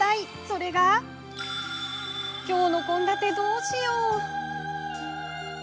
それがきょうの献立どうしよう。